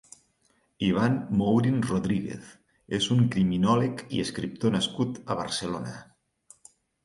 Ivan Mourin Rodríguez és un criminòleg i escriptor nascut a Barcelona.